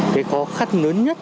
cái khó khắc lớn nhất